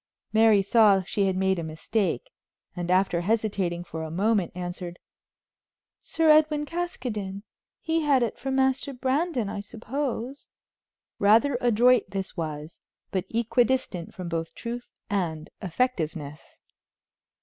Mary saw she had made a mistake, and, after hesitating for a moment, answered: "Sir Edwin Caskoden. He had it from Master Brandon, I suppose." Rather adroit this was, but equidistant from both truth and effectiveness.